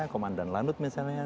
komandan lanut misalnya